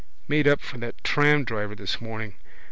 Made up for that tramdriver this morning.